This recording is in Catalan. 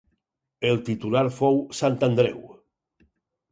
El titular fou Sant Andreu.